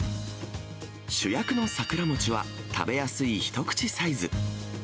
主役の桜餅は、食べやすい一口サイズ。